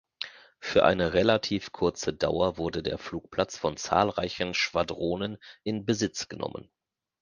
Für eine relativ kurze Dauer wurde der Flugplatz von zahlreichen Schwadronen in Besitz genommen.